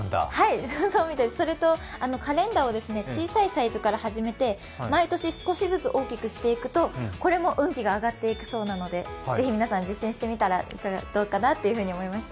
それとカレンダーを小さいサイズから始めて毎年少しずつ大きくするとこれも運気が上がっていくそうなので是非、皆さん実践してみたらどうかなって思いました。